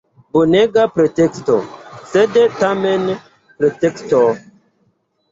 Bonega preteksto — sed tamen preteksto.